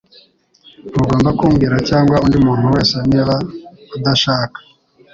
Ntugomba kumbwira cyangwa undi muntu wese niba udashaka